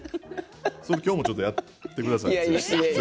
それ今日もちょっとやってください、剛。